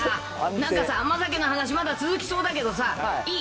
なんかさ、甘酒の話、まだ続きそうだけどさ、いい？